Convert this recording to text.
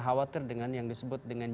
khawatir dengan yang disebut dengan